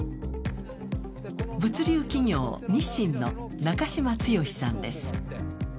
物流企業、日新の中島剛さんです。